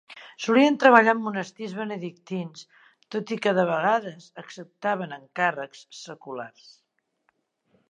Solien treballar en monestirs Benedictins, tot i que de vegades acceptaven encàrrecs seculars.